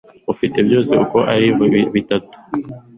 Ufite byose uko ari bitatu